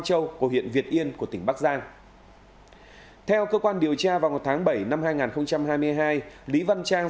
châu của huyện việt yên của tỉnh bắc giang theo cơ quan điều tra vào tháng bảy năm hai nghìn hai mươi hai lý văn trang